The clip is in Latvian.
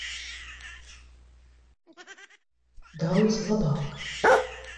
Daudz labāk.